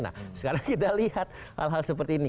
nah sekarang kita lihat hal hal seperti ini